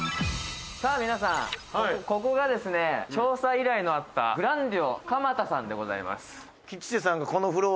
「さあ皆さんここがですね調査依頼のあったグランデュオ蒲田さんでございます」